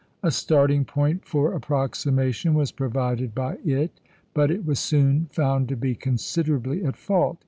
A starting point for approximation was provided by it; but it was soon found to be considerably at fault.